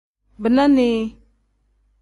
Bina nii.